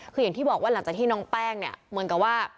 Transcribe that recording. คืออย่างที่บอกว่าหลังจากที่น้องแป้งเนี่ยเหมือนกับว่า